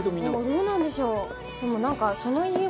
どうなんでしょう？